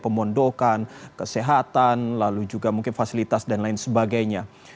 pemondokan kesehatan lalu juga mungkin fasilitas dan lain sebagainya